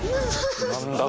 何だ？